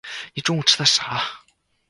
你中午吃的啥啊？